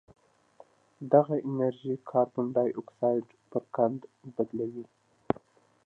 دغه انرژي کاربن ډای اکسایډ پر قند تبدیلوي